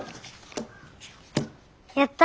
やった！